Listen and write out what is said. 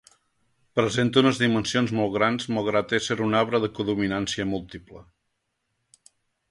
Presenta unes dimensions molt grans malgrat ésser un arbre de codominància múltiple.